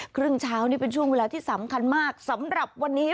ครึ่งเช้านี่เป็นช่วงเวลาที่สำคัญมากสำหรับวันนี้